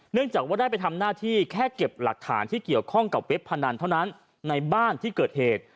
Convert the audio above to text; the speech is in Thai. จากว่าได้ไปทำหน้าที่แค่เก็บหลักฐานที่เกี่ยวข้องกับเว็บพนันเท่านั้นในบ้านที่เกิดเหตุ